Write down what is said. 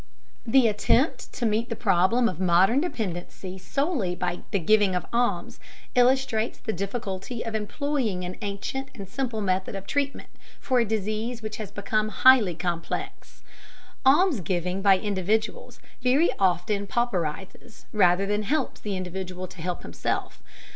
The attempt to meet the problem of modern dependency solely by the giving of alms illustrates the difficulty of employing an ancient and simple method of treatment for a disease which has become highly complex. Almsgiving by individuals very often pauperizes rather than helps the individual to help himself.